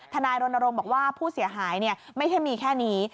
นายรณรงค์บอกว่าผู้เสียหายไม่ใช่มีแค่นี้